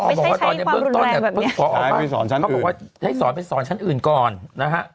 ไม่ใช่ใช้ความรุนแรงแบบเนี้ยเขาบอกว่าใช้สอนไปสอนชั้นอื่นก่อนนะฮะ